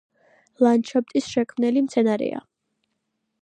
ლანდშაფტის შემქმნელი მცენარეა.